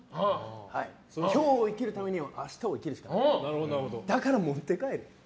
今日を生きるためには明日を生きるしかないだから持って帰る！